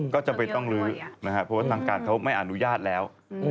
ก็จะไปต้องลื้อเพราะว่าต่างการเขาไม่อนุญาตแล้ว